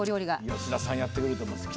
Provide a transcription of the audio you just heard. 吉田さんやってくれると思います。